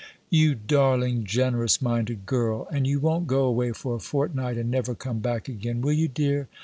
"You darling generous minded girl! And you won't go away for a fortnight and never come back again, will you, dear?